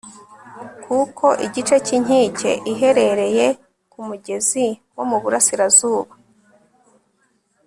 kuko igice cy'inkike iherereye ku mugezi wo mu burasirazuba